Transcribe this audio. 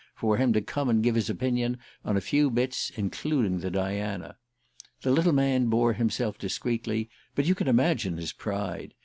for him to come and give his opinion on a few bits, including the Diana. The little man bore himself discreetly, but you can imagine his pride.